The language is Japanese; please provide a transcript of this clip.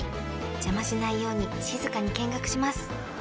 邪魔しないように静かに見学します］